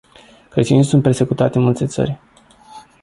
Creștinii sunt persecutați în multe țări.